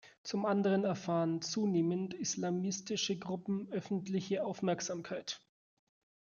Zum andern erfahren zunehmend islamistische Gruppen öffentliche Aufmerksamkeit.